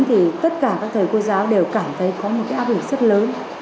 thì tất cả các thầy cô giáo đều cảm thấy có một cái áp lực rất lớn